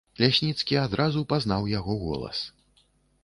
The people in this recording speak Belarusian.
Лясніцкі адразу пазнаў яго голас.